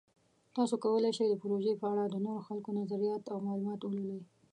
تاسو کولی شئ د پروژې په اړه د نورو خلکو نظریات او معلومات ولولئ.